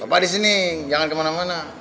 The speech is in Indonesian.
bapak disini jangan kemana mana